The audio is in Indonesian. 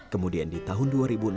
kemudian di tahun dua ribu enam belas